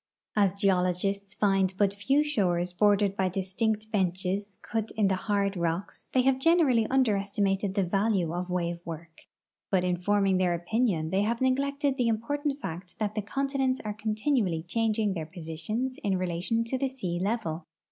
As geologists find but few shores bordered b}" distinct benches cut in the hard rocks, the.y have generally underestimated the value of wave work, but in forming their opinion they have neglected the important fact that the continents are continually changing their positions in relation to the sea level.